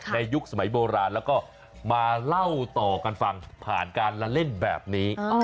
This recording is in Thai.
ยุคสมัยโบราณแล้วก็มาเล่าต่อกันฟังผ่านการละเล่นแบบนี้